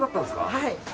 はい。